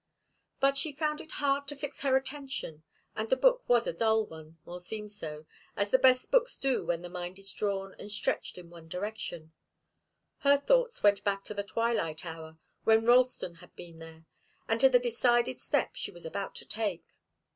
But she found it hard to fix her attention, and the book was a dull one, or seemed so, as the best books do when the mind is drawn and stretched in one direction. Her thoughts went back to the twilight hour, when Ralston had been there, and to the decided step she was about to take.